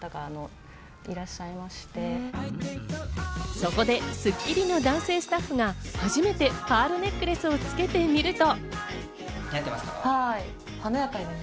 そこで『スッキリ』の男性スタッフが初めてパールネックレスをつけてみると。